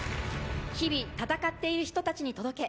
日々闘っている人たちに届け。